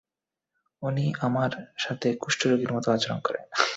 উনি আমার সাথে কুষ্ঠরোগীর মতো আচরণ করে।